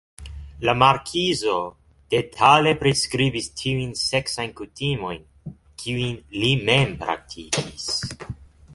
La markizo detale priskribis tiujn seksajn kutimojn, kiujn li mem praktikis.